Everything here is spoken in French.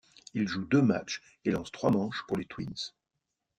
Il joue deux matchs et lance trois manches pour les Twins.